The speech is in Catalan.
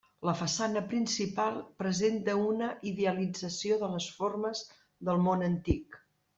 La façana principal presenta una idealització de les formes del món antic.